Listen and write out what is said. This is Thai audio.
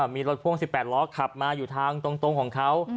มีรถพ่วง๑๘ล้อขับมาอยู่ทางตรงของเขา